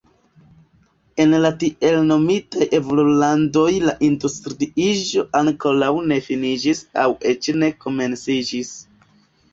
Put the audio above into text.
En la tiel nomitaj evolulandoj la industriiĝo ankoraŭ ne finiĝis aŭ eĉ ne komenciĝis.